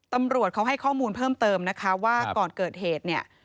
ตำรวจเขาให้ข้อมูลเพิ่มเติมนะคะว่าก่อนเกิดเหตุเนี่ย